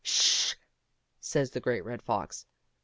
" Sh h h h !" says the Great Red Fox.